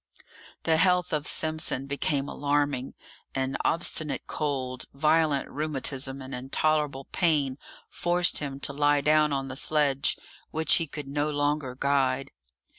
The health of Simpson became alarming; an obstinate cold, violent rheumatism, and intolerable pain forced him to lie down on the sledge, which he could no longer guide.